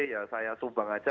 ya saya sumbang saja